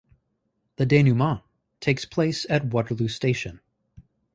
The denouement takes place at Waterloo Station.